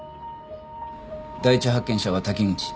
第一発見者は滝口。